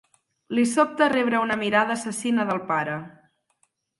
Li sobta rebre una mirada assassina del pare.